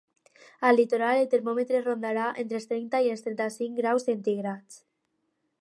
Al litoral, el termòmetre rondarà entre els trenta i els trenta-cinc graus centígrads.